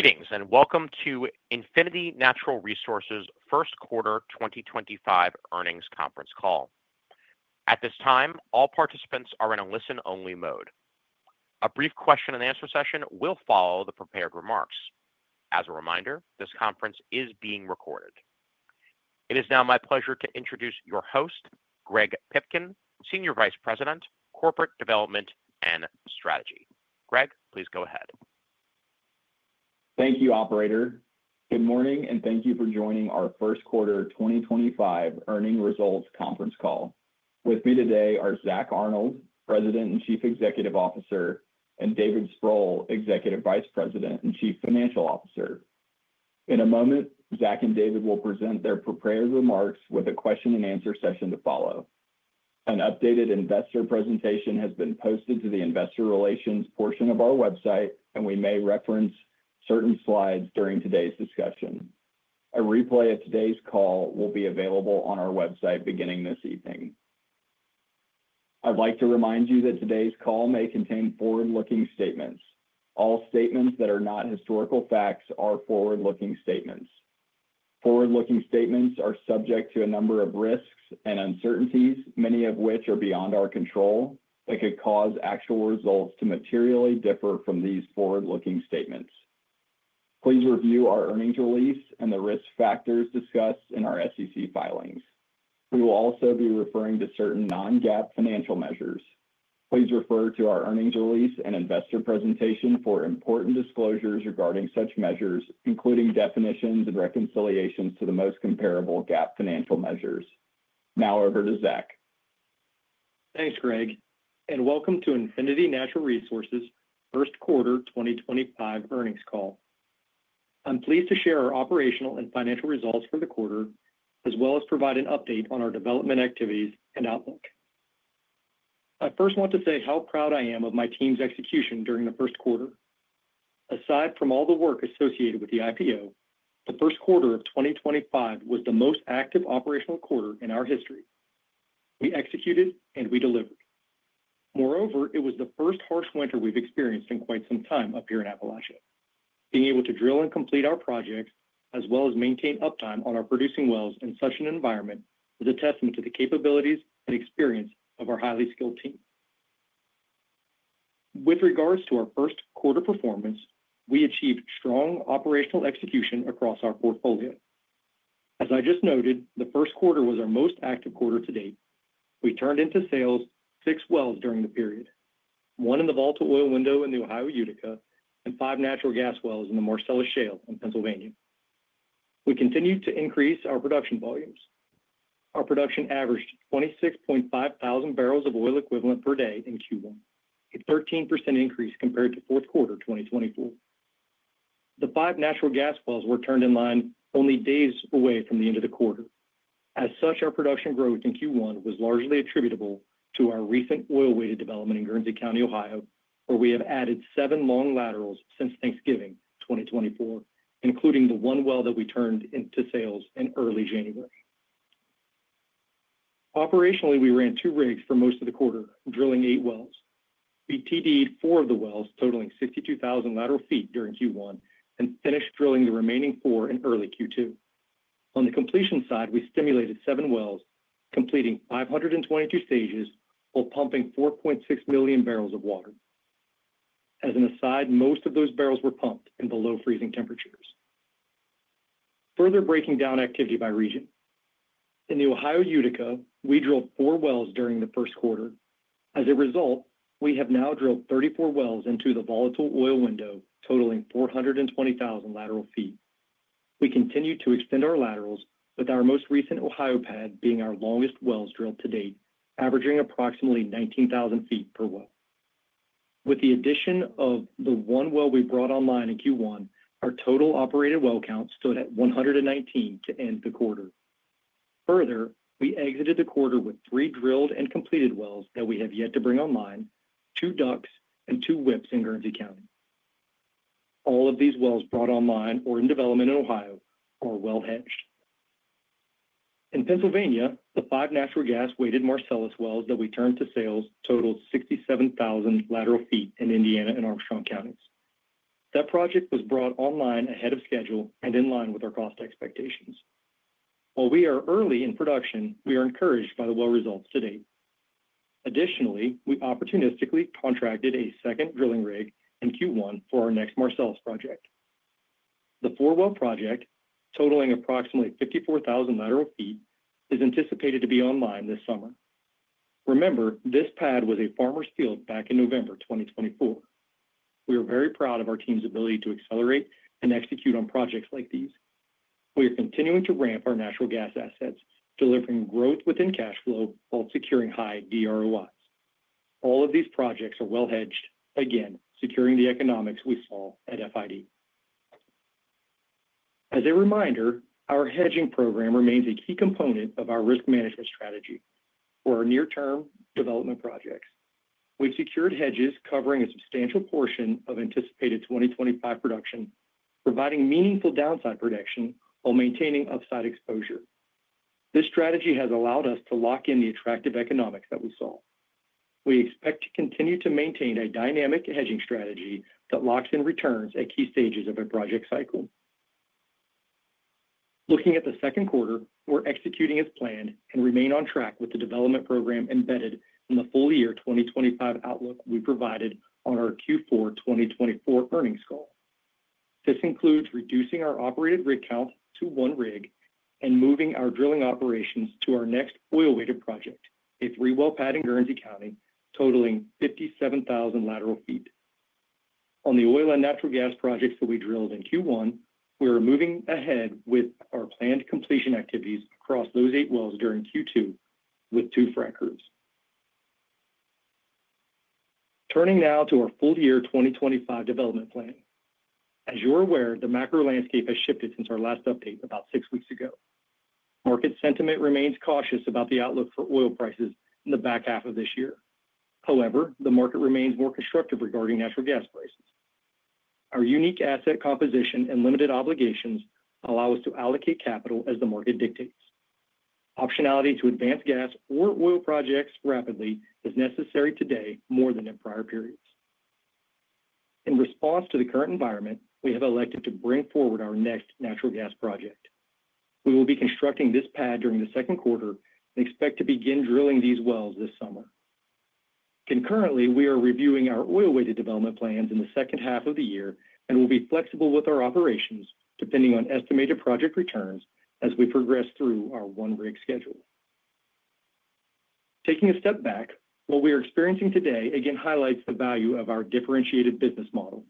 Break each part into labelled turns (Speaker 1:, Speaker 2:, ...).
Speaker 1: Greetings and welcome to Infinity Natural Resources First Quarter 2025 Earnings Conference Call. At this time, all participants are in a listen-only mode. A brief question-and-answer session will follow the prepared remarks. As a reminder, this conference is being recorded. It is now my pleasure to introduce your host, Greg Pipkin, Senior Vice President, Corporate Development and Strategy. Greg, please go ahead.
Speaker 2: Thank you, Operator. Good morning, and thank you for joining our first quarter 2025 earning results conference call. With me today are Zack Arnold, President and Chief Executive Officer, and David Sproule, Executive Vice President and Chief Financial Officer. In a moment, Zack and David will present their prepared remarks with a question-and-answer session to follow. An updated investor presentation has been posted to the investor relations portion of our website, and we may reference certain slides during today's discussion. A replay of today's call will be available on our website beginning this evening. I'd like to remind you that today's call may contain forward-looking statements. All statements that are not historical facts are forward-looking statements. Forward-looking statements are subject to a number of risks and uncertainties, many of which are beyond our control, that could cause actual results to materially differ from these forward-looking statements. Please review our earnings release and the risk factors discussed in our SEC filings. We will also be referring to certain non-GAAP financial measures. Please refer to our earnings release and investor presentation for important disclosures regarding such measures, including definitions and reconciliations to the most comparable GAAP financial measures. Now over to Zack.
Speaker 3: Thanks, Greg, and welcome to Infinity Natural Resources First Quarter 2025 earnings call. I'm pleased to share our operational and financial results for the quarter, as well as provide an update on our development activities and outlook. I first want to say how proud I am of my team's execution during the first quarter. Aside from all the work associated with the IPO, the first quarter of 2025 was the most active operational quarter in our history. We executed, and we delivered. Moreover, it was the first harsh winter we've experienced in quite some time up here in Appalachia. Being able to drill and complete our projects, as well as maintain uptime on our producing wells in such an environment, is a testament to the capabilities and experience of our highly skilled team. With regards to our first quarter performance, we achieved strong operational execution across our portfolio. As I just noted, the first quarter was our most active quarter to date. We turned into sales six wells during the period, one in the Volatile Oil Window in the Ohio Utica, and five natural gas wells in the Marcellus Shale in Pennsylvania. We continued to increase our production volumes. Our production averaged 26,500 barrels of oil equivalent per day in Q1, a 13% increase compared to fourth quarter 2024. The five natural gas wells were turned in line only days away from the end of the quarter. As such, our production growth in Q1 was largely attributable to our recent oil-weighted development in Guernsey County, Ohio, where we have added seven long laterals since Thanksgiving 2024, including the one well that we turned into sales in early January. Operationally, we ran two rigs for most of the quarter, drilling eight wells. We TD'd four of the wells, totaling 62,000 lateral feet during Q1, and finished drilling the remaining four in early Q2. On the completion side, we stimulated seven wells, completing 522 stages while pumping 4.6 million barrels of water. As an aside, most of those barrels were pumped in below-freezing temperatures. Further breaking down activity by region, in the Ohio Utica, we drilled four wells during the first quarter. As a result, we have now drilled 34 wells into the volatile oil window, totaling 420,000 lateral feet. We continue to extend our laterals, with our most recent Ohio pad being our longest wells drilled to date, averaging approximately 19,000 feet per well. With the addition of the one well we brought online in Q1, our total operated well count stood at 119 to end the quarter. Further, we exited the quarter with three drilled and completed wells that we have yet to bring online, two DUCs, and two WIPs in Guernsey County. All of these wells brought online or in development in Ohio are well hedged. In Pennsylvania, the five natural gas-weighted Marcellus wells that we turned to sales totaled 67,000 lateral feet in Indiana and Armstrong Counties. That project was brought online ahead of schedule and in line with our cost expectations. While we are early in production, we are encouraged by the well results to date. Additionally, we opportunistically contracted a second drilling rig in Q1 for our next Marcellus project. The four-well project, totaling approximately 54,000 lateral feet, is anticipated to be online this summer. Remember, this pad was a farmer's field back in November 2024. We are very proud of our team's ability to accelerate and execute on projects like these. We are continuing to ramp our natural gas assets, delivering growth within cash flow while securing high DROIs. All of these projects are well hedged, again, securing the economics we saw at FID. As a reminder, our hedging program remains a key component of our risk management strategy for our near-term development projects. We've secured hedges covering a substantial portion of anticipated 2025 production, providing meaningful downside protection while maintaining upside exposure. This strategy has allowed us to lock in the attractive economics that we saw. We expect to continue to maintain a dynamic hedging strategy that locks in returns at key stages of a project cycle. Looking at the second quarter, we're executing as planned and remain on track with the development program embedded in the full year 2025 outlook we provided on our Q4 2024 earnings call. This includes reducing our operated rig count to one rig and moving our drilling operations to our next oil-weighted project, a three-well pad in Guernsey County, totaling 57,000 lateral feet. On the oil and natural gas projects that we drilled in Q1, we are moving ahead with our planned completion activities across those eight wells during Q2 with two frac crews. Turning now to our full year 2025 development plan. As you're aware, the macro landscape has shifted since our last update about six weeks ago. Market sentiment remains cautious about the outlook for oil prices in the back half of this year. However, the market remains more constructive regarding natural gas prices. Our unique asset composition and limited obligations allow us to allocate capital as the market dictates. Optionality to advance gas or oil projects rapidly is necessary today more than in prior periods. In response to the current environment, we have elected to bring forward our next natural gas project. We will be constructing this pad during the second quarter and expect to begin drilling these wells this summer. Concurrently, we are reviewing our oil-weighted development plans in the second half of the year and will be flexible with our operations depending on estimated project returns as we progress through our one-rig schedule. Taking a step back, what we are experiencing today again highlights the value of our differentiated business model.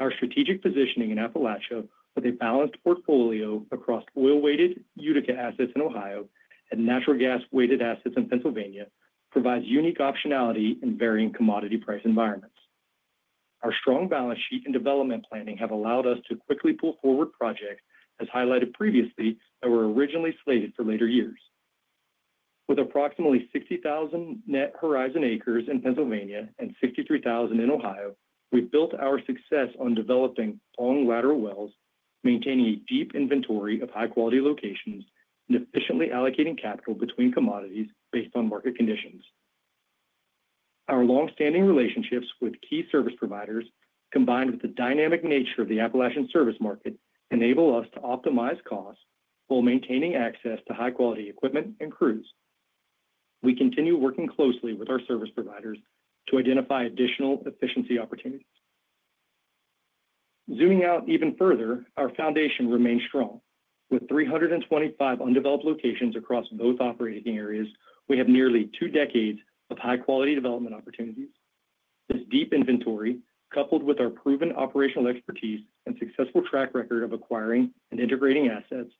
Speaker 3: Our strategic positioning in Appalachia with a balanced portfolio across oil-weighted Utica assets in Ohio and natural gas-weighted assets in Pennsylvania provides unique optionality in varying commodity price environments. Our strong balance sheet and development planning have allowed us to quickly pull forward projects as highlighted previously that were originally slated for later years. With approximately 60,000 net horizontal acres in Pennsylvania and 63,000 in Ohio, we've built our success on developing long lateral wells, maintaining a deep inventory of high-quality locations, and efficiently allocating capital between commodities based on market conditions. Our long-standing relationships with key service providers, combined with the dynamic nature of the Appalachian service market, enable us to optimize costs while maintaining access to high-quality equipment and crews. We continue working closely with our service providers to identify additional efficiency opportunities. Zooming out even further, our foundation remains strong. With 325 undeveloped locations across both operating areas, we have nearly two decades of high-quality development opportunities. This deep inventory, coupled with our proven operational expertise and successful track record of acquiring and integrating assets,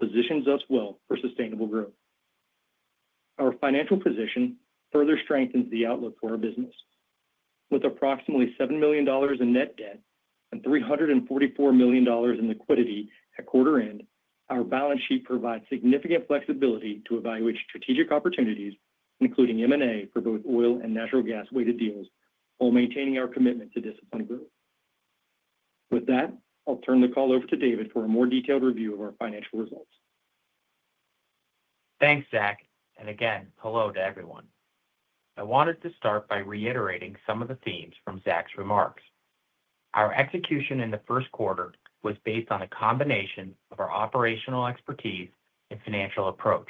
Speaker 3: positions us well for sustainable growth. Our financial position further strengthens the outlook for our business. With approximately $7 million in net debt and $344 million in liquidity at quarter end, our balance sheet provides significant flexibility to evaluate strategic opportunities, including M&A for both oil and natural gas-weighted deals, while maintaining our commitment to disciplined growth. With that, I'll turn the call over to David for a more detailed review of our financial results.
Speaker 4: Thanks, Zack. Again, hello to everyone. I wanted to start by reiterating some of the themes from Zack's remarks. Our execution in the first quarter was based on a combination of our operational expertise and financial approach.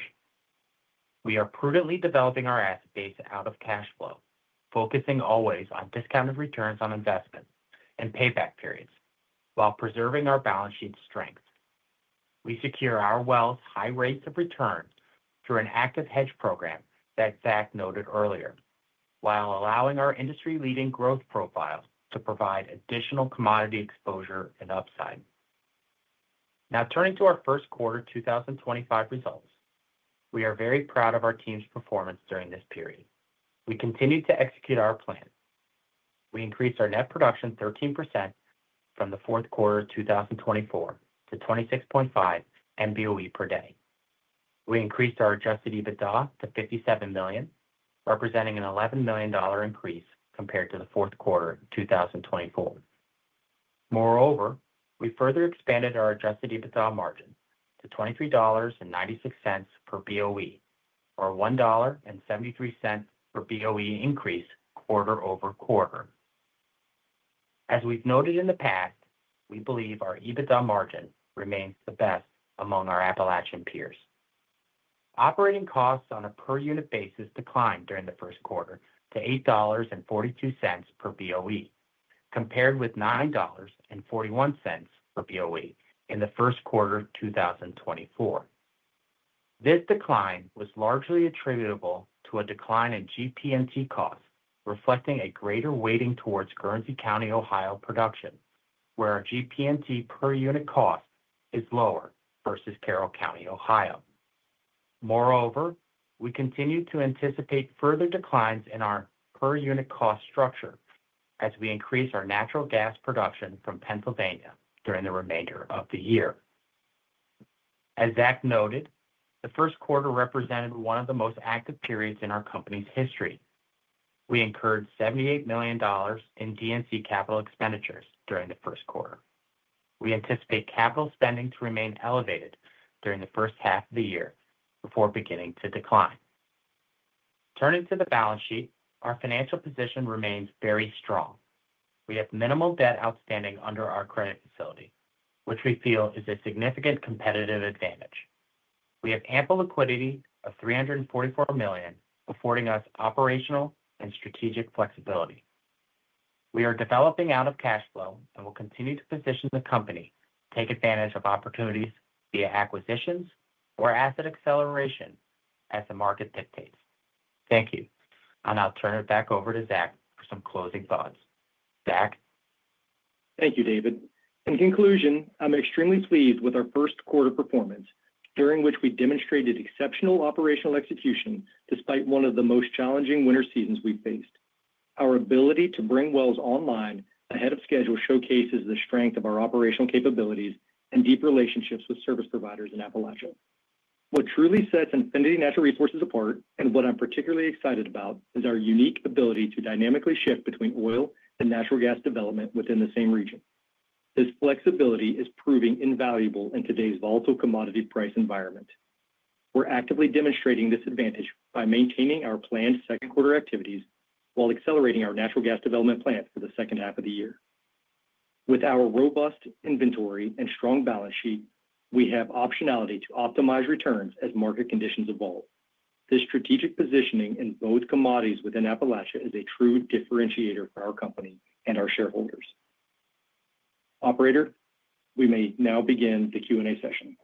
Speaker 4: We are prudently developing our asset base out of cash flow, focusing always on discounted returns on investment and payback periods while preserving our balance sheet strength. We secure our wells high rates of return through an active hedge program that Zack noted earlier, while allowing our industry-leading growth profile to provide additional commodity exposure and upside. Now turning to our first quarter 2025 results, we are very proud of our team's performance during this period. We continue to execute our plan. We increased our net production 13% from the fourth quarter of 2024 to 26.5 MBOE per day. We increased our adjusted EBITDA to $57 million, representing an $11 million increase compared to the fourth quarter of 2024. Moreover, we further expanded our adjusted EBITDA margin to $23.96 per BOE, or $1.73 per BOE increase quarter over quarter. As we've noted in the past, we believe our EBITDA margin remains the best among our Appalachian peers. Operating costs on a per-unit basis declined during the first quarter to $8.42 per BOE, compared with $9.41 per BOE in the first quarter of 2024. This decline was largely attributable to a decline in GP&T costs, reflecting a greater weighting towards Guernsey County, Ohio, production, where our GP&T per-unit cost is lower versus Carroll County, Ohio. Moreover, we continue to anticipate further declines in our per-unit cost structure as we increase our natural gas production from Pennsylvania during the remainder of the year. As Zack noted, the first quarter represented one of the most active periods in our company's history. We incurred $78 million in D&C capital expenditures during the first quarter. We anticipate capital spending to remain elevated during the first half of the year before beginning to decline. Turning to the balance sheet, our financial position remains very strong. We have minimal debt outstanding under our credit facility, which we feel is a significant competitive advantage. We have ample liquidity of $344 million, affording us operational and strategic flexibility. We are developing out of cash flow and will continue to position the company to take advantage of opportunities via acquisitions or asset acceleration as the market dictates. Thank you. I'll turn it back over to Zack for some closing thoughts. Zack.
Speaker 3: Thank you, David. In conclusion, I'm extremely pleased with our first quarter performance, during which we demonstrated exceptional operational execution despite one of the most challenging winter seasons we've faced. Our ability to bring wells online ahead of schedule showcases the strength of our operational capabilities and deep relationships with service providers in Appalachia. What truly sets Infinity Natural Resources apart and what I'm particularly excited about is our unique ability to dynamically shift between oil and natural gas development within the same region. This flexibility is proving invaluable in today's volatile commodity price environment. We're actively demonstrating this advantage by maintaining our planned second quarter activities while accelerating our natural gas development plan for the second half of the year. With our robust inventory and strong balance sheet, we have optionality to optimize returns as market conditions evolve. This strategic positioning in both commodities within Appalachia is a true differentiator for our company and our shareholders. Operator, we may now begin the Q&A session.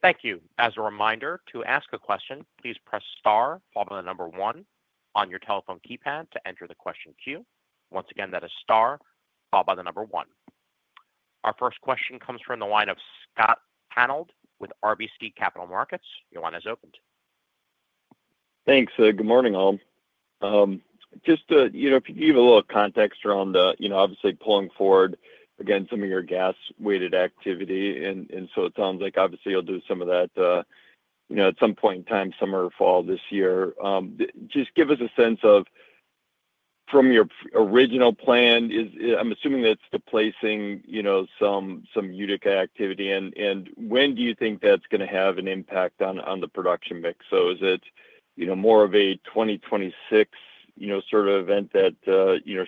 Speaker 1: Thank you. As a reminder, to ask a question, please press star followed by the number one on your telephone keypad to enter the question queue. Once again, that is star followed by the number one. Our first question comes from the line of Scott Hanold with RBC Capital Markets. Your line is opened.
Speaker 5: Thanks. Good morning, all. Just, you know, if you give a little context around, you know, obviously pulling forward, again, some of your gas-weighted activity. It sounds like, obviously, you'll do some of that at some point in time, summer or fall this year. Just give us a sense of, from your original plan, I'm assuming that's the placing some Utica activity. When do you think that's going to have an impact on the production mix? Is it more of a 2026 sort of event that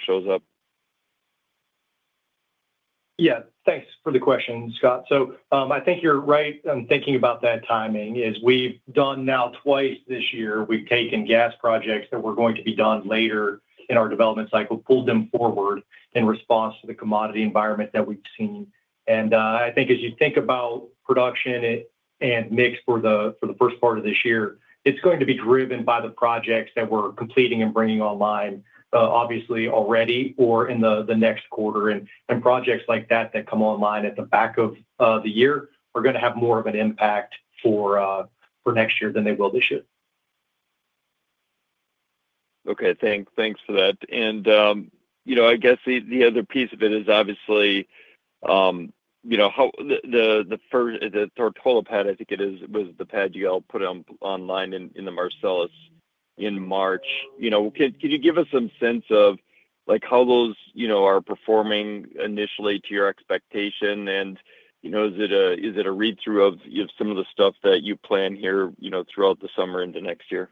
Speaker 5: shows up?
Speaker 3: Yeah. Thanks for the question, Scott. I think you're right in thinking about that timing is we've done now twice this year. We've taken gas projects that were going to be done later in our development cycle, pulled them forward in response to the commodity environment that we've seen. I think as you think about production and mix for the first part of this year, it's going to be driven by the projects that we're completing and bringing online, obviously already or in the next quarter. Projects like that that come online at the back of the year are going to have more of an impact for next year than they will this year.
Speaker 5: Okay. Thanks for that. I guess the other piece of it is obviously the first, the Tartola, I think it was the pad you all put online in the Marcellus in March. Can you give us some sense of how those are performing initially to your expectation? Is it a read-through of some of the stuff that you plan here throughout the summer into next year?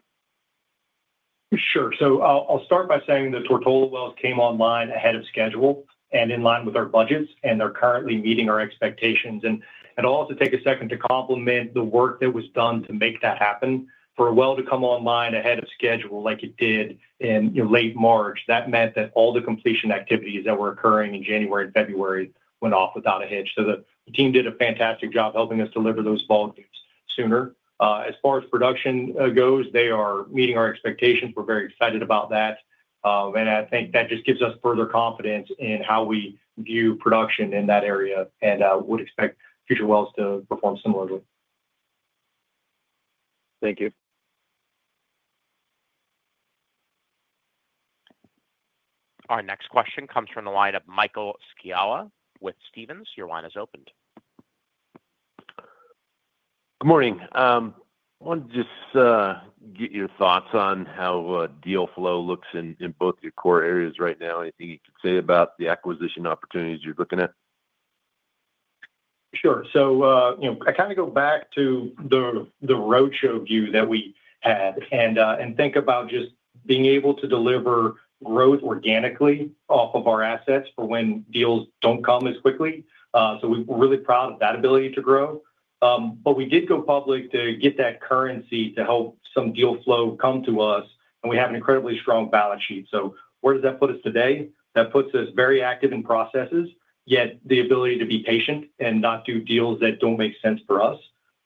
Speaker 3: Sure. I'll start by saying the Tartola came online ahead of schedule and in line with our budgets, and they're currently meeting our expectations. It'll also take a second to compliment the work that was done to make that happen. For a well to come online ahead of schedule like it did in late March, that meant that all the completion activities that were occurring in January and February went off without a hitch. The team did a fantastic job helping us deliver those volumes sooner. As far as production goes, they are meeting our expectations. We're very excited about that. I think that just gives us further confidence in how we view production in that area and would expect future wells to perform similarly.
Speaker 5: Thank you.
Speaker 1: Our next question comes from the line of Michael Scialla with Stephens. Your line is opened.
Speaker 6: Good morning. I wanted to just get your thoughts on how deal flow looks in both your core areas right now. Anything you could say about the acquisition opportunities you're looking at?
Speaker 3: Sure. I kind of go back to the roadshow view that we had and think about just being able to deliver growth organically off of our assets for when deals do not come as quickly. We are really proud of that ability to grow. We did go public to get that currency to help some deal flow come to us, and we have an incredibly strong balance sheet. Where does that put us today? That puts us very active in processes, yet the ability to be patient and not do deals that do not make sense for us.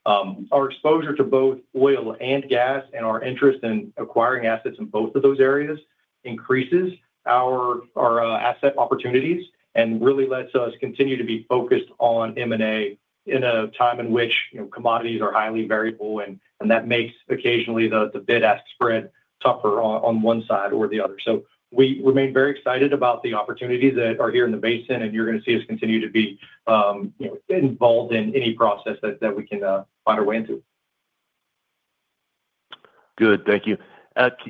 Speaker 3: Our exposure to both oil and gas and our interest in acquiring assets in both of those areas increases our asset opportunities and really lets us continue to be focused on M&A in a time in which commodities are highly variable, and that makes occasionally the bid-ask spread tougher on one side or the other. We remain very excited about the opportunities that are here in the basin, and you're going to see us continue to be involved in any process that we can find our way into.
Speaker 6: Good. Thank you.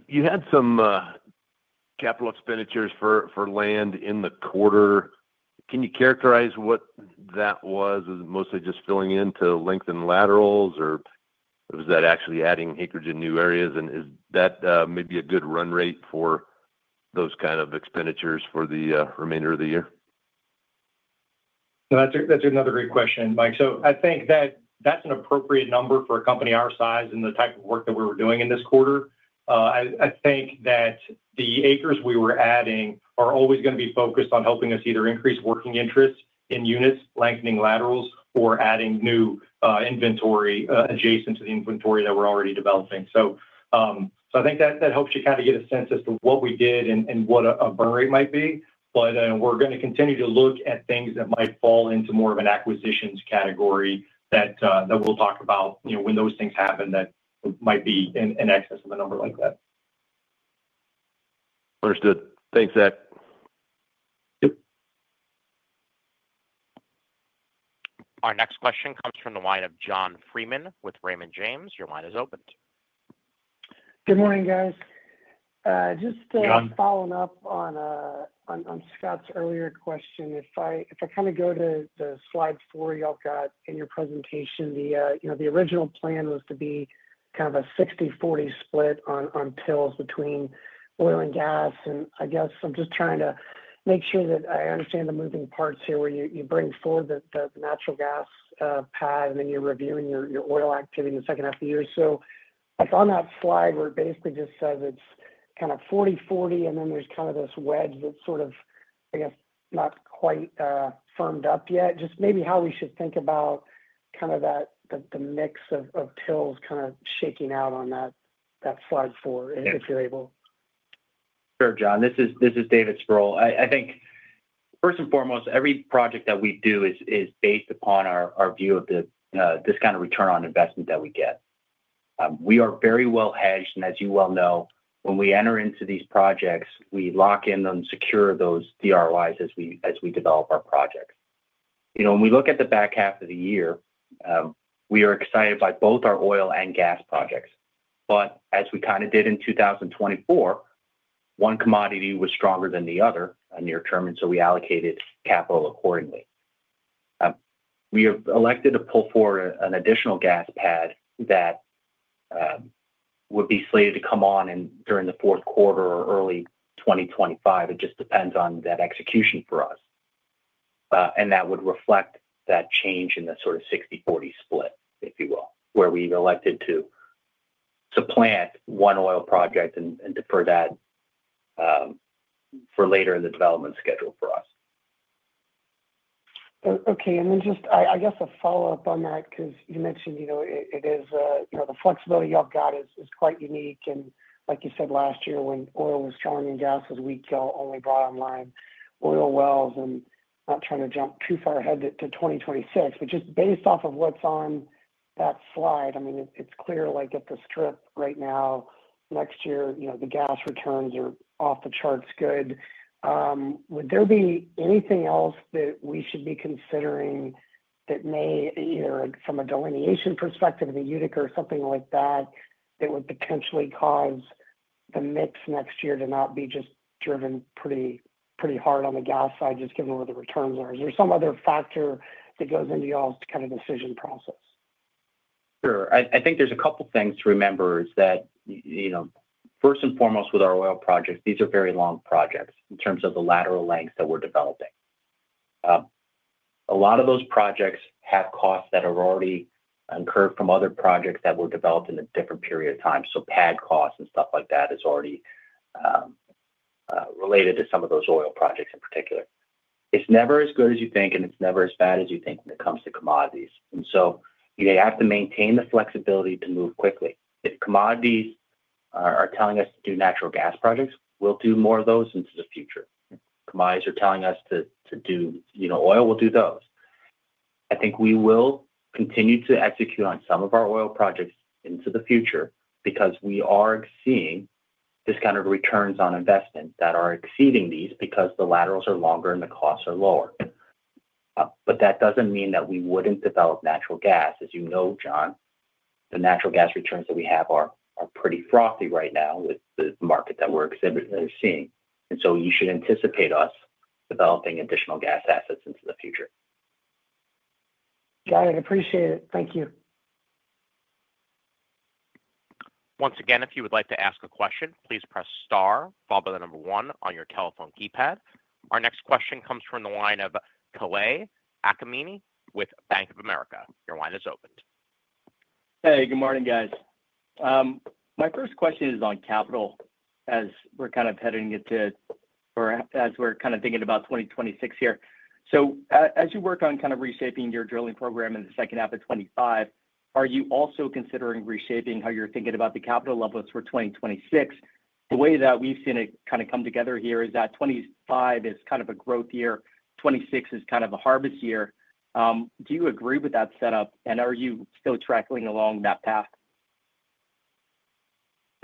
Speaker 6: You had some capital expenditures for land in the quarter. Can you characterize what that was? Was it mostly just filling in to lengthen laterals, or was that actually adding acreage in new areas? Is that maybe a good run rate for those kind of expenditures for the remainder of the year?
Speaker 3: That's another great question, Mike. I think that that's an appropriate number for a company our size and the type of work that we were doing in this quarter. I think that the acres we were adding are always going to be focused on helping us either increase working interest in units, lengthening laterals, or adding new inventory adjacent to the inventory that we're already developing. I think that helps you kind of get a sense as to what we did and what a burn rate might be. We're going to continue to look at things that might fall into more of an acquisitions category that we'll talk about when those things happen that might be in excess of a number like that.
Speaker 6: Understood. Thanks, Zack.
Speaker 1: Our next question comes from the line of John Freeman with Raymond James. Your line is opened.
Speaker 7: Good morning, guys. Just following up on Scott's earlier question, if I kind of go to the slide four y'all got in your presentation, the original plan was to be kind of a 60/40 split on tills between oil and gas. I guess I'm just trying to make sure that I understand the moving parts here where you bring forward the natural gas pad and then you're reviewing your oil activity in the second half of the year. On that slide, where it basically just says it's kind of 40/40, and then there's kind of this wedge that's sort of, I guess, not quite firmed up yet, just maybe how we should think about kind of that mix of tills kind of shaking out on that slide four, if you're able.
Speaker 4: Sure, John. This is David Sproule. I think, first and foremost, every project that we do is based upon our view of this kind of return on investment that we get. We are very well hedged. As you well know, when we enter into these projects, we lock in and secure those DROIs as we develop our projects. When we look at the back half of the year, we are excited by both our oil and gas projects. As we kind of did in 2024, one commodity was stronger than the other near-term, and we allocated capital accordingly. We have elected to pull forward an additional gas pad that would be slated to come on during the fourth quarter or early 2025. It just depends on that execution for us. That would reflect that change in the sort of 60/40 split, if you will, where we've elected to supplant one oil project and defer that for later in the development schedule for us.
Speaker 7: Okay. And then just, I guess, a follow-up on that, because you mentioned it is the flexibility y'all got is quite unique. Like you said, last year, when oil was strong and gas was weak, y'all only brought online oil wells. Not trying to jump too far ahead to 2026, but just based off of what's on that slide, I mean, it's clear at the strip right now, next year, the gas returns are off the charts good. Would there be anything else that we should be considering that may, from a delineation perspective, the Utica or something like that, that would potentially cause the mix next year to not be just driven pretty hard on the gas side, just given where the returns are? Is there some other factor that goes into y'all's kind of decision process?
Speaker 4: Sure. I think there's a couple of things to remember is that, first and foremost, with our oil projects, these are very long projects in terms of the lateral lengths that we're developing. A lot of those projects have costs that have already incurred from other projects that were developed in a different period of time. So pad costs and stuff like that is already related to some of those oil projects in particular. It's never as good as you think, and it's never as bad as you think when it comes to commodities. You have to maintain the flexibility to move quickly. If commodities are telling us to do natural gas projects, we'll do more of those into the future. Commodities are telling us to do oil, we'll do those. I think we will continue to execute on some of our oil projects into the future because we are seeing this kind of returns on investment that are exceeding these because the laterals are longer and the costs are lower. That does not mean that we would not develop natural gas. As you know, John, the natural gas returns that we have are pretty frothy right now with the market that we are seeing. You should anticipate us developing additional gas assets into the future.
Speaker 7: Got it. Appreciate it. Thank you.
Speaker 1: Once again, if you would like to ask a question, please press star followed by the number one on your telephone keypad. Our next question comes from the line of Kale Akamine with Bank of America. Your line is opened.
Speaker 8: Hey, good morning, guys. My first question is on capital as we're kind of heading into or as we're kind of thinking about 2026 here. As you work on kind of reshaping your drilling program in the second half of 2025, are you also considering reshaping how you're thinking about the capital levels for 2026? The way that we've seen it kind of come together here is that 2025 is kind of a growth year, 2026 is kind of a harvest year. Do you agree with that setup? Are you still tracking along that path?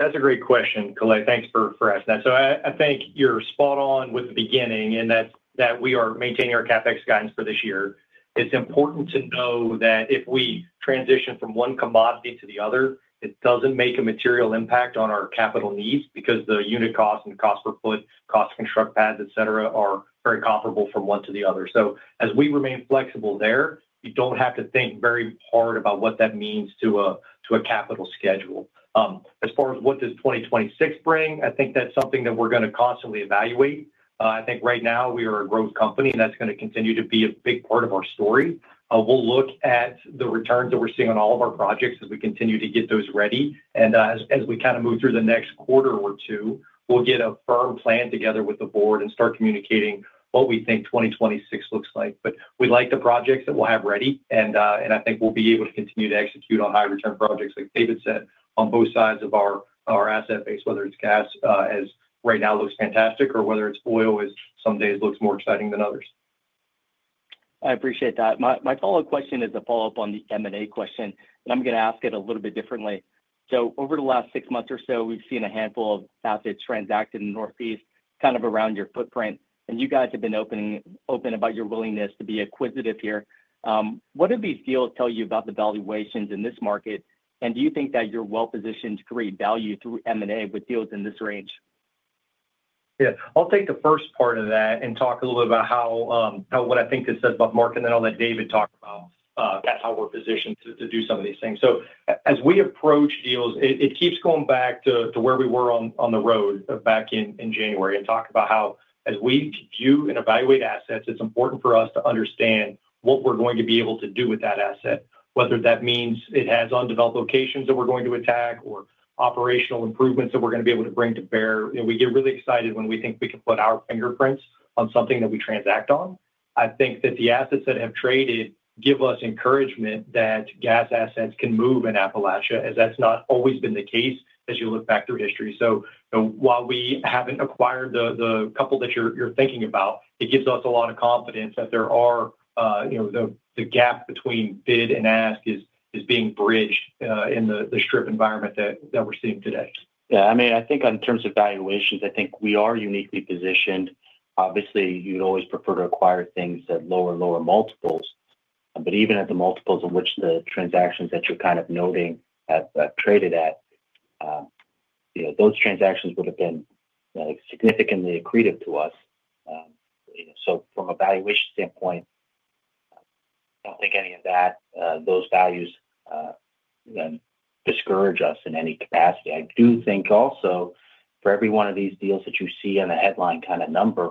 Speaker 3: That's a great question, Kale. Thanks for asking that. I think you're spot on with the beginning in that we are maintaining our CapEx guidance for this year. It's important to know that if we transition from one commodity to the other, it doesn't make a material impact on our capital needs because the unit cost and cost per foot, cost to construct pads, etc., are very comparable from one to the other. As we remain flexible there, you don't have to think very hard about what that means to a capital schedule. As far as what does 2026 bring, I think that's something that we're going to constantly evaluate. I think right now we are a growth company, and that's going to continue to be a big part of our story. will look at the returns that we are seeing on all of our projects as we continue to get those ready. As we kind of move through the next quarter or two, we will get a firm plan together with the board and start communicating what we think 2026 looks like. We like the projects that we will have ready, and I think we will be able to continue to execute on high-return projects, like David said, on both sides of our asset base, whether it is gas as right now looks fantastic or whether it is oil as some days looks more exciting than others.
Speaker 8: I appreciate that. My follow-up question is a follow-up on the M&A question, and I'm going to ask it a little bit differently. Over the last six months or so, we've seen a handful of assets transact in the Northeast, kind of around your footprint. You guys have been open about your willingness to be acquisitive here. What do these deals tell you about the valuations in this market? Do you think that you're well-positioned to create value through M&A with deals in this range?
Speaker 3: Yeah. I'll take the first part of that and talk a little bit about what I think this says about the market and then let David talk about how we're positioned to do some of these things. As we approach deals, it keeps going back to where we were on the road back in January and talk about how as we view and evaluate assets, it's important for us to understand what we're going to be able to do with that asset, whether that means it has undeveloped locations that we're going to attack or operational improvements that we're going to be able to bring to bear. We get really excited when we think we can put our fingerprints on something that we transact on. I think that the assets that have traded give us encouragement that gas assets can move in Appalachia, as that's not always been the case as you look back through history. While we haven't acquired the couple that you're thinking about, it gives us a lot of confidence that the gap between bid and ask is being bridged in the strip environment that we're seeing today.
Speaker 4: Yeah. I mean, I think in terms of valuations, I think we are uniquely positioned. Obviously, you'd always prefer to acquire things at lower and lower multiples, but even at the multiples in which the transactions that you're kind of noting have traded at, those transactions would have been significantly accretive to us. From a valuation standpoint, I don't think any of those values discourage us in any capacity. I do think also for every one of these deals that you see on the headline kind of number,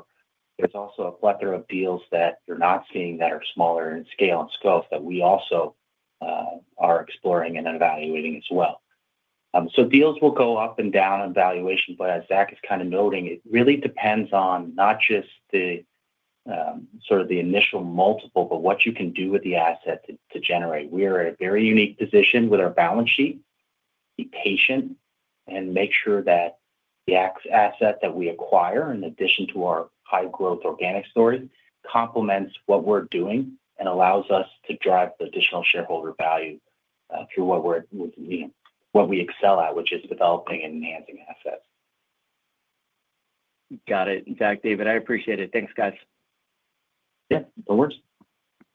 Speaker 4: there's also a plethora of deals that you're not seeing that are smaller in scale and scope that we also are exploring and evaluating as well. Deals will go up and down in valuation, but as Zack is kind of noting, it really depends on not just sort of the initial multiple, but what you can do with the asset to generate. We're in a very unique position with our balance sheet. Be patient and make sure that the asset that we acquire, in addition to our high-growth organic story, complements what we're doing and allows us to drive the additional shareholder value through what we excel at, which is developing and enhancing assets.
Speaker 8: Got it.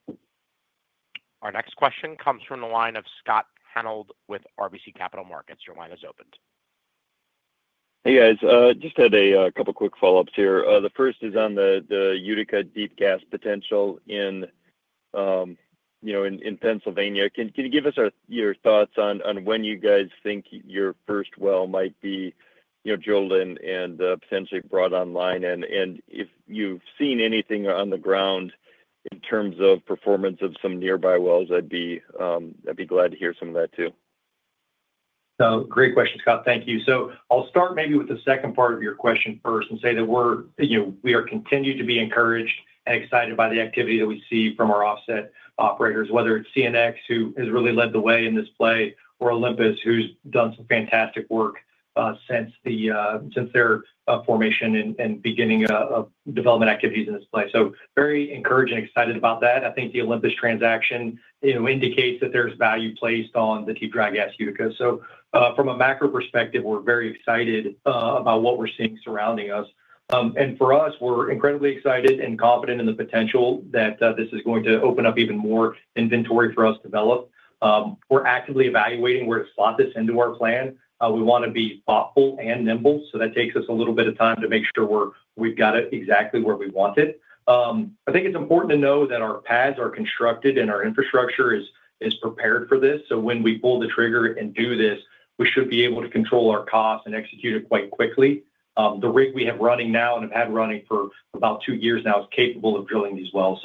Speaker 8: In fact, David, I appreciate it. Thanks, guys.
Speaker 4: Yeah. No worries.
Speaker 1: Our next question comes from the line of Scott Hanold with RBC Capital Markets. Your line is opened.
Speaker 5: Hey, guys. Just had a couple of quick follow-ups here. The first is on the Utica deep gas potential in Pennsylvania. Can you give us your thoughts on when you guys think your first well might be drilled and potentially brought online? If you've seen anything on the ground in terms of performance of some nearby wells, I'd be glad to hear some of that too.
Speaker 3: Great question, Scott. Thank you. I'll start maybe with the second part of your question first and say that we are continued to be encouraged and excited by the activity that we see from our offset operators, whether it's CNX, who has really led the way in this play, or Olympus, who's done some fantastic work since their formation and beginning of development activities in this play. Very encouraged and excited about that. I think the Olympus transaction indicates that there's value placed on the deep dry gas Utica. From a macro perspective, we're very excited about what we're seeing surrounding us. For us, we're incredibly excited and confident in the potential that this is going to open up even more inventory for us to develop. We're actively evaluating where to slot this into our plan. We want to be thoughtful and nimble. That takes us a little bit of time to make sure we've got it exactly where we want it. I think it's important to know that our pads are constructed and our infrastructure is prepared for this. When we pull the trigger and do this, we should be able to control our costs and execute it quite quickly. The rig we have running now and have had running for about two years now is capable of drilling these wells.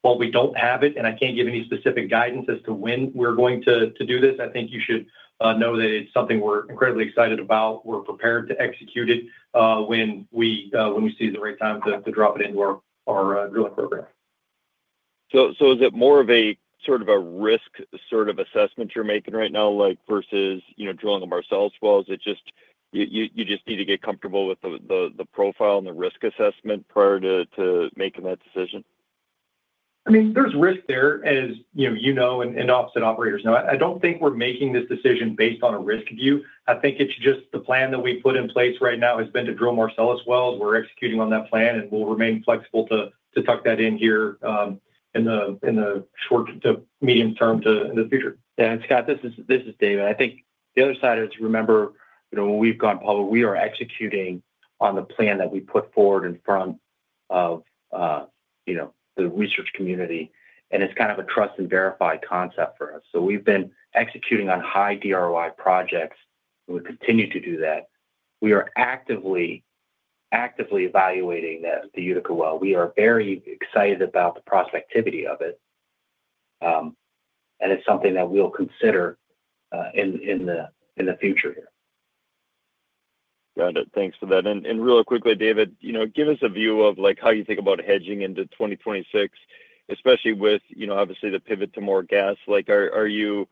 Speaker 3: While we don't have it, and I can't give any specific guidance as to when we're going to do this, I think you should know that it's something we're incredibly excited about. We're prepared to execute it when we see the right time to drop it into our drilling program.
Speaker 5: Is it more of a sort of a risk sort of assessment you're making right now versus drilling them ourselves? Is it just you just need to get comfortable with the profile and the risk assessment prior to making that decision?
Speaker 3: I mean, there's risk there, as you know and offset operators know. I don't think we're making this decision based on a risk view. I think it's just the plan that we've put in place right now has been to drill more Marcellus wells. We're executing on that plan, and we'll remain flexible to tuck that in here in the short to medium term in the future.
Speaker 4: Yeah. Scott, this is David. I think the other side is to remember when we've gone public, we are executing on the plan that we put forward in front of the research community. It's kind of a trust and verify concept for us. We've been executing on high DROIs projects, and we continue to do that. We are actively evaluating the Utica well. We are very excited about the prospectivity of it, and it's something that we'll consider in the future here.
Speaker 5: Got it. Thanks for that. Really quickly, David, give us a view of how you think about hedging into 2026, especially with, obviously, the pivot to more gas. Are you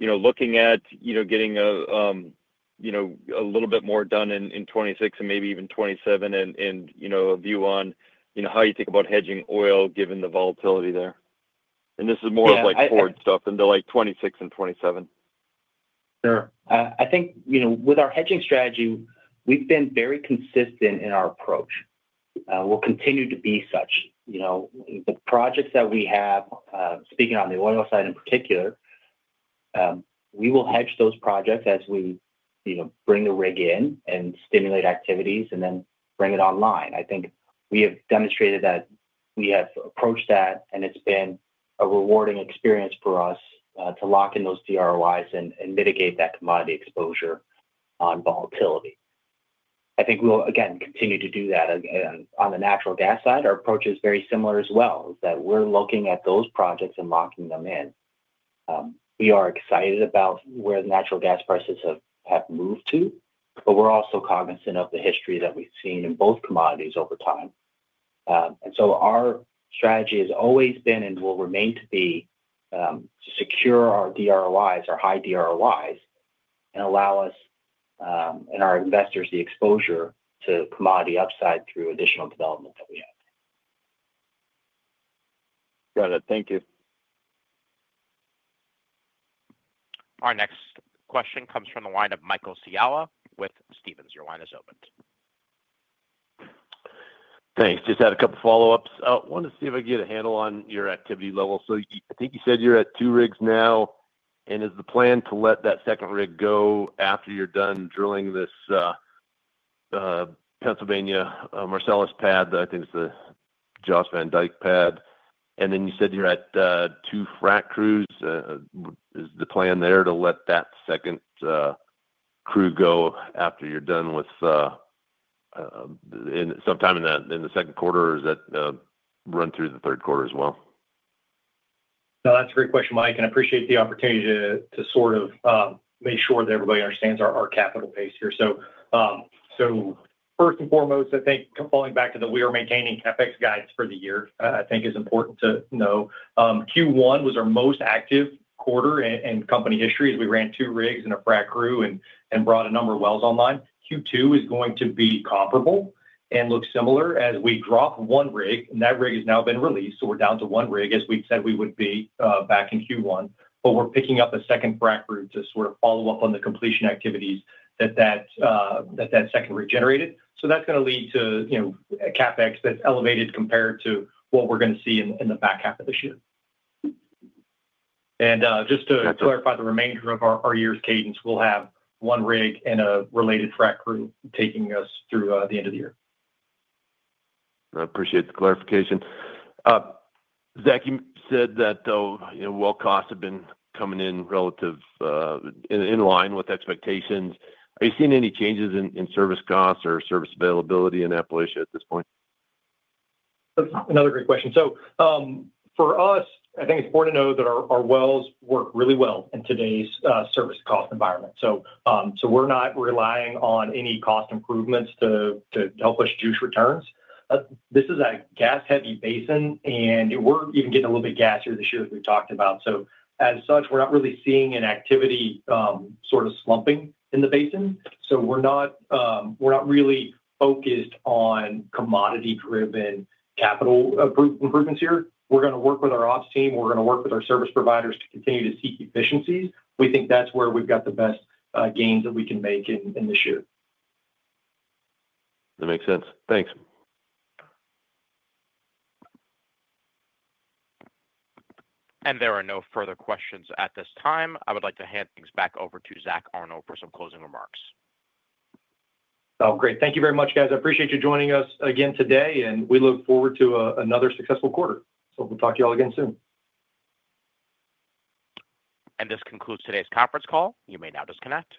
Speaker 5: looking at getting a little bit more done in 2026 and maybe even 2027 and a view on how you think about hedging oil given the volatility there? This is more of like forward stuff into 2026 and 2027.
Speaker 4: Sure. I think with our hedging strategy, we've been very consistent in our approach. We'll continue to be such. The projects that we have, speaking on the oil side in particular, we will hedge those projects as we bring the rig in and stimulate activities and then bring it online. I think we have demonstrated that we have approached that, and it's been a rewarding experience for us to lock in those DROIs and mitigate that commodity exposure on volatility. I think we'll, again, continue to do that. On the natural gas side, our approach is very similar as well, is that we're looking at those projects and locking them in. We are excited about where the natural gas prices have moved to, but we're also cognizant of the history that we've seen in both commodities over time. Our strategy has always been and will remain to be to secure our DROIs, our high DROIs, and allow us and our investors the exposure to commodity upside through additional development that we have.
Speaker 5: Got it. Thank you.
Speaker 1: Our next question comes from the line of Michael Scialla with Stephens. Your line is opened.
Speaker 6: Thanks. Just had a couple of follow-ups. I want to see if I can get a handle on your activity level. So I think you said you're at two rigs now, and is the plan to let that second rig go after you're done drilling this Pennsylvania Marcellus pad? I think it's the Jost Van Dyke pad. And then you said you're at two frac crews. Is the plan there to let that second crew go after you're done with sometime in the second quarter, or is that run through the third quarter as well?
Speaker 3: No, that's a great question, Mike. I appreciate the opportunity to sort of make sure that everybody understands our capital pace here. First and foremost, I think falling back to the we are maintaining CapEx guidance for the year, I think is important to know. Q1 was our most active quarter in company history as we ran two rigs and a frac crew and brought a number of wells online. Q2 is going to be comparable and look similar as we drop one rig, and that rig has now been released. We are down to one rig, as we said we would be back in Q1, but we are picking up a second frac crew to sort of follow up on the completion activities that that second rig generated. That's going to lead to CapEx that's elevated compared to what we're going to see in the back half of this year. Just to clarify the remainder of our year's cadence, we'll have one rig and a related frac crew taking us through the end of the year.
Speaker 6: I appreciate the clarification. Zack, you said that well costs have been coming in relative in line with expectations. Are you seeing any changes in service costs or service availability in Appalachia at this point?
Speaker 3: Another great question. For us, I think it's important to know that our wells work really well in today's service cost environment. We're not relying on any cost improvements to help us juice returns. This is a gas-heavy basin, and we're even getting a little bit gassier this year as we talked about. As such, we're not really seeing an activity sort of slumping in the basin. We're not really focused on commodity-driven capital improvements here. We're going to work with our ops team. We're going to work with our service providers to continue to seek efficiencies. We think that's where we've got the best gains that we can make in this year.
Speaker 6: That makes sense. Thanks.
Speaker 1: There are no further questions at this time. I would like to hand things back over to Zack Arnold for some closing remarks.
Speaker 3: Oh, great. Thank you very much, guys. I appreciate you joining us again today, and we look forward to another successful quarter. We will talk to you all again soon.
Speaker 1: This concludes today's conference call. You may now disconnect.